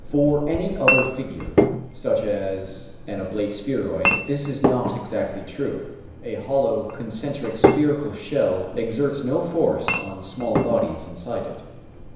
For any other figure, such as an oblate spheroid, this is not exactly true. A hollow concentric spherical shell exerts no force on small bodies inside it.